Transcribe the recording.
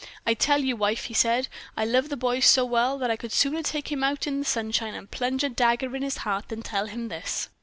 "I tell you, wife," he said, "I love the boy so well that I could sooner take him out in the sunshine and plunge a dagger in his heart than tell him this."